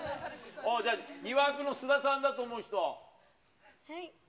じゃあ２枠の須田さんだと思う人？